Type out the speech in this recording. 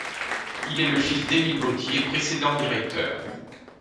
Il est le fils d'Émile Gautier, précédent directeur.